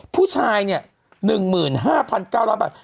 ผู้ชายเนี่ย๑๕๙๐๐บาท